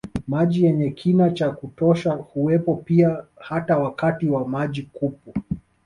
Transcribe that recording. Maji yenye kina cha kutosha huwepo pia hata wakati wa maji kupwa